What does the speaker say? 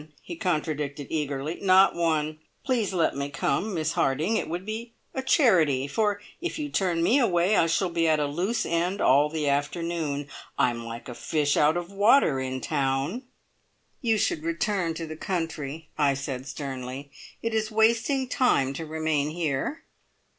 he contradicted eagerly. "Not one! Please let me come, Miss Harding. It would be a charity, for if you turn me away I shall be at a loose end all the afternoon. I am like a fish out of water in town!" "You should return to the country," I said sternly. "It is wasting time to remain here."